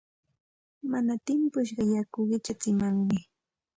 Mana timpushqa yaku qichatsimanmi.